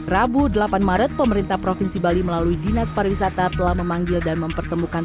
rabu delapan maret pemerintah provinsi bali melalui dinas pariwisata telah memanggil dan mempertemukan